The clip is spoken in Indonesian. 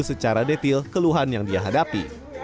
secara detail keluhan yang dia hadapi